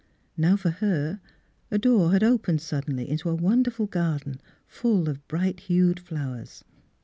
Now for her a door had opened suddenly into a wonderful garden, full of bright hued flowers.